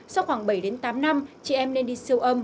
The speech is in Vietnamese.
sau khoảng bảy đến tám năm chị em nên đi siêu âm